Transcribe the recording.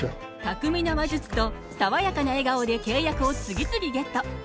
巧みな話術と爽やかな笑顔で契約を次々ゲット！